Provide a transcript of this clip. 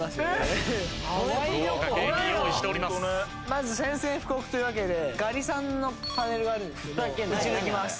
まず宣戦布告というわけでガリさんのパネルがあるんですけど撃ち抜きます。